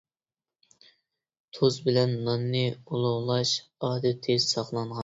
«تۇز بىلەن ناننى ئۇلۇغلاش» ئادىتى ساقلانغان.